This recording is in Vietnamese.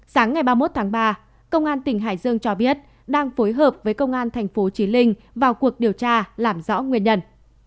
sáng ngày ba mươi một tháng ba công an tỉnh hải dương cho biết đang phối hợp với công an tp hcm vào cuộc điều tra làm rõ nguyên nhân